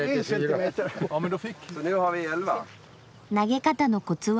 投げ方のコツは？